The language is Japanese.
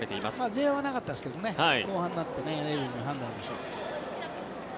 前半はなかったですけど後半になってレフェリーの判断でしょう。